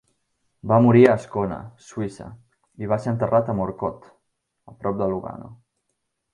Va morir a Ascona, Suïssa, i va ser enterrat a Morcote, a prop de Lugano.